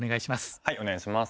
はいお願いします。